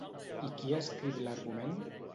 I qui ha escrit l'argument?